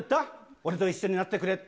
俺と一緒になってくれって。